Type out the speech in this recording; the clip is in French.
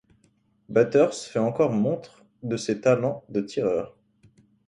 Butters fait encore montre de ses talents de tireur.